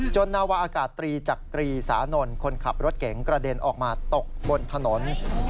นาวาอากาศตรีจักรีสานนท์คนขับรถเก๋งกระเด็นออกมาตกบนถนน